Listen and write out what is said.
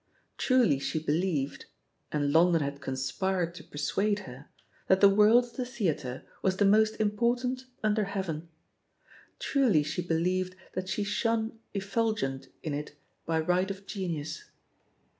Truly she believed — and Lon don had conspired to persuade her — ^that the world of the theatre was the most important un der Heaven; truly she believed that she shone ef fulgent in it by right of genius.